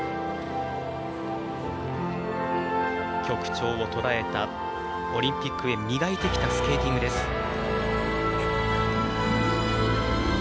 曲調をとらえたオリンピックへ磨いてきたスケーティングです。